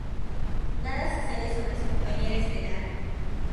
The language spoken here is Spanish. Nada se sabe sobre su compañera estelar.